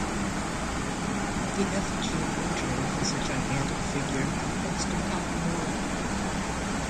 The effigy of Winter was a gigantic figure composed of cotton wool.